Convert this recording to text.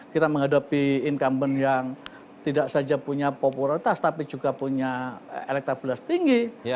kita menghadapi incumbent yang tidak saja punya popularitas tapi juga punya elektabilitas tinggi